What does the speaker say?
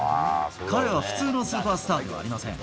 彼は普通のスーパースターではありません。